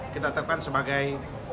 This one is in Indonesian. kita tetapkan sebagai